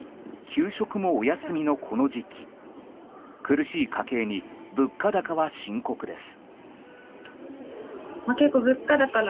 給食もお休みのこの時期苦しい家計に物価高は深刻です。